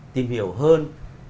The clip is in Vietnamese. tìm hiểu hơn